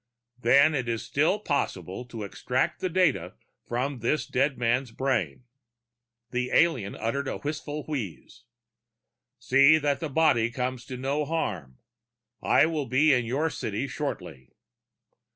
"Then it is still possible to extract the data from this dead man's brain." The alien uttered a wistful wheeze. "See that the body comes to no harm. I will be at your city shortly."